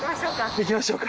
行きましょうか。